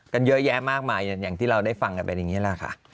กันเยอะแยะมากมายอย่างที่เราได้ฟังกันเป็นอย่างนี้แหละค่ะ